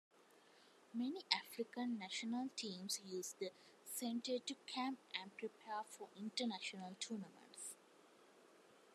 Many African National teams use the centre to camp and prepare for international tournaments.